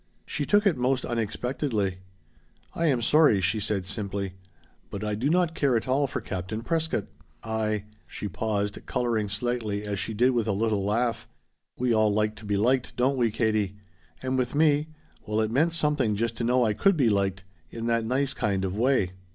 She took it most unexpectedly. "I am sorry," she said simply, "but I do not care at all for Captain Prescott. I " She paused, coloring slightly as she said with a little laugh: "We all like to be liked, don't we, Katie? And with me well it meant something just to know I could be liked in that nice kind of way.